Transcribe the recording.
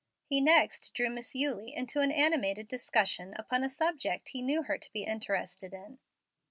He next drew Miss Eulie into an animated discussion upon a subject he knew her to be interested in.